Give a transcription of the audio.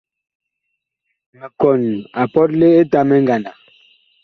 Mikɔn a pɔtle Etamɛ ngandag.